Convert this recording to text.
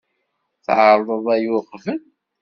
Tɛerḍeḍ aya uqbel?